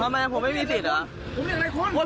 ทำไมผมไม่มีสิทธิ์เหรอ